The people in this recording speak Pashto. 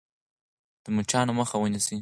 د مچانو مخه ونیسئ.